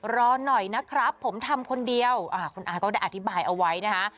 รอหน่อยนะครับผมทำคนเดียวคุณอาก็ได้อธิบายเอาไว้นะคะ